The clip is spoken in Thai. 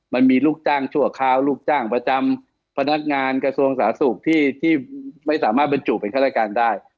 มันมีลูกจ้างชั่วคราวลูกจ้างประจำพนักงานกระทรวงสาธารณสุขที่ไม่สามารถบรรจุเป็นข้าราชการได้